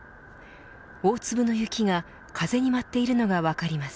大粒の雪が風に舞っているのが分かります。